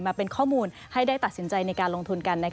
มาเป็นข้อมูลให้ได้ตัดสินใจในการลงทุนกัน